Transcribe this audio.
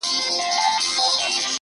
اوس به د چا په سترګو وینم د وصال خوبونه٫